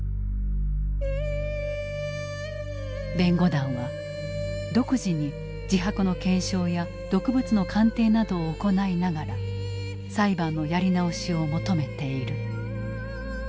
弁護団は独自に自白の検証や毒物の鑑定などを行いながら裁判のやり直しを求めている。